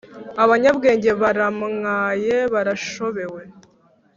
Abanyabwenge baramwaye barashobewe